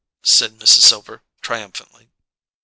said Mrs. Silver triumphantly.